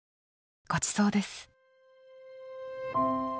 ごちそうです。